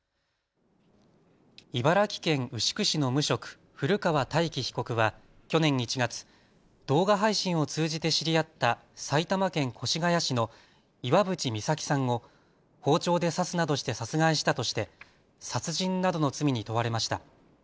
茨城県牛久市の無職、古川大輝被告は去年１月、動画配信を通じて知り合った埼玉県越谷市の岩渕未咲さんを包丁で刺すなどして殺害したとして殺人などの罪に問われました。